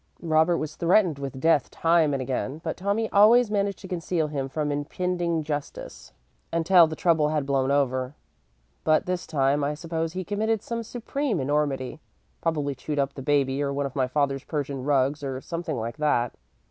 Robert was threatened with death time and again, but Tommy always managed to conceal him from impending justice until the trouble had blown over. But this time I suppose he committed some supreme enormity probably chewed up the baby or one of my father's Persian rugs, or something like that.